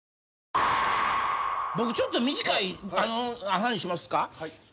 僕ちょっと短い話しますか？